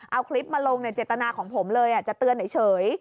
เอาคลิปมาลงในเจตนาของผมเลยจะเตือนเฉย